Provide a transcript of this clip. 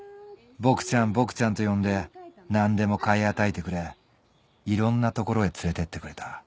「ボクちゃんボクちゃん」と呼んで何でも買い与えてくれいろんな所へ連れてってくれた。